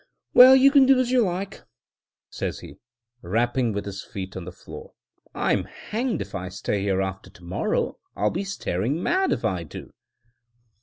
"Well, you can do as you like," says he, rapping with his feet on the floor. "I'm hanged if I stay here after to morrow I'll be staring mad if I do!"